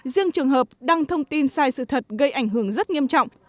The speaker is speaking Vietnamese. riêng trường hợp đăng thông tin sai sự thật gây ảnh hưởng rất nghiêm trọng